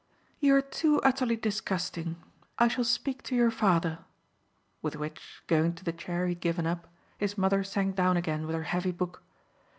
"You're too utterly disgusting I shall speak to your father," with which, going to the chair he had given up, his mother sank down again with her heavy book.